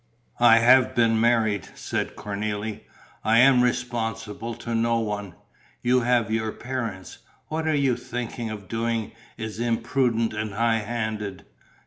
"I have been married," said Cornélie. "I am responsible to no one. You have your parents. What you are thinking of doing is imprudent and high handed.